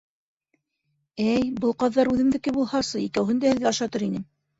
— Әй, был ҡаҙҙар үҙемдеке булһасы, икәүһен дә һеҙгә ашатыр инем.